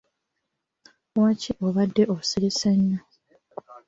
Lwaki obadde osirise nnyo?